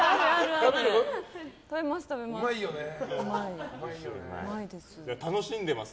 食べます、食べます。